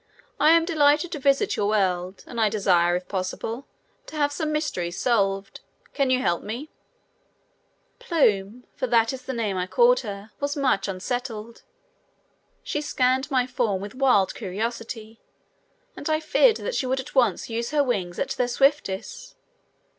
I am delighted to visit your world and I desire, if possible, to have some mysteries solved. Can you help me?" Plume, for that is the name I called her, was much unsettled. She scanned my form with wild curiosity and I feared that she would at once use her wings at their swiftest.